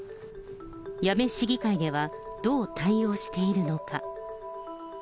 八女市議会では、どう対応しているのか。